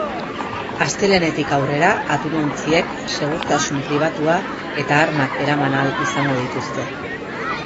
Astelehenetik aurrera atunontziek segurtasun pribatua eta armak eraman ahal izango dituzte.